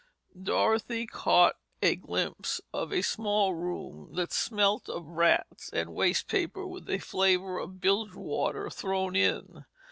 Dorothy caught a glimpse of a small room that smelt of rats and wastepaper with a flavor of bilgewater thrown in.